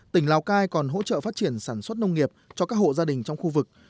tỉnh lào cai còn hỗ trợ phát triển sản xuất nông nghiệp cho các hộ gia đình trong khu vực